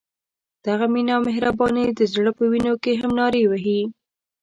دغه مینه او مهرباني د زړه په وینو کې هم نارې وهي.